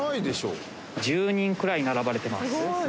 １０人くらい並ばれてます。